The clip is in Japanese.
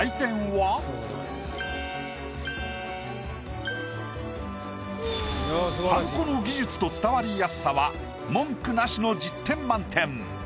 はんこの技術と伝わりやすさは文句なしの１０点満点。